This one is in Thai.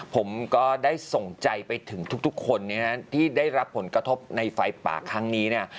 ผมก็ได้ส่งใจไปถึงทุกคนที่ได้รับผลกระทบในไฟป่าครั้งนี้เนี่ย